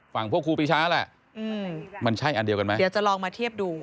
ฝั่งพวกครูปีชาแหละมันใช่อันเดียวกันไหมเดี๋ยวจะลองมาเทียบดู